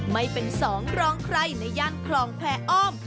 ไม่เป็นสองรองใครในย่านคลองแพอ้อม